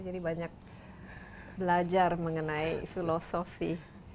jadi banyak belajar mengenai filosofi